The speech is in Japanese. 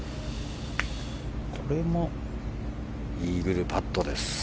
これもイーグルパットです。